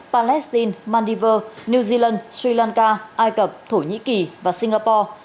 palestine maldives new zealand sri lanka ai cập thổ nhĩ kỳ và sài gòn